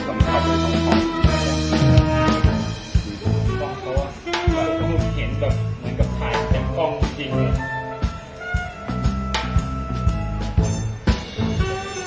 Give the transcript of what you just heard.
ผมคิดว่าไม่มีอ่าที่ข้าวถูกทอด